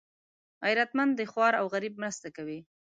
غیرتمند د خوار او غریب مرسته کوي